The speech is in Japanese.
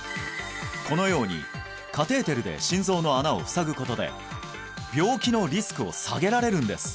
このようにカテーテルで心臓の穴をふさぐことで病気のリスクを下げられるんです